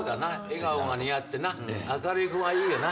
笑顔が似合ってな明るい子がいいよな。